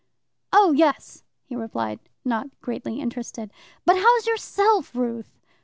"Oh, yes," he replied, not greatly interested. "But how's yourself, Ruth?"